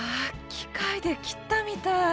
機械で切ったみたい！